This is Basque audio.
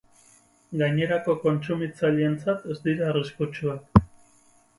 Gainerako kontsumitzaileentzat ez dira arriskutsuak.